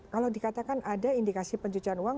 kalau dikatakan ada indikasi pencucian uang